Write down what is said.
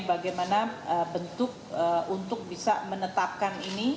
bagaimana bentuk untuk bisa menetapkan ini